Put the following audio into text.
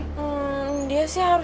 dia sih harusnya berada di kampus